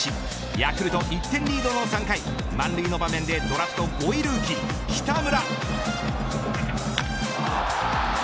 ヤクルト１点リードの３回満塁の場面でドラフト５位ルーキー北村。